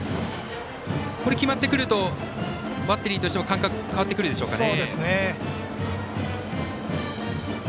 これ決まってくるとバッテリーとしても感覚、変わってくるでしょうかね。